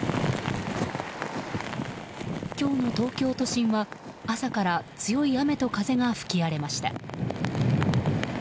今日の東京都心は朝から強い雨と風が吹き荒れました。